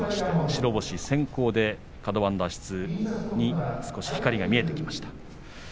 白星先行でカド番脱出に光が見えてきました。。